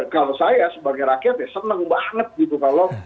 kalau saya sebagai rakyat ya seneng banget gitu kalau bisa diumumkan awal